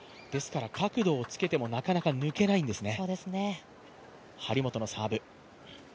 角度をつけてもなかなか抜けないんですね。